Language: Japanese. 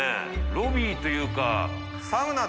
ロビーというか。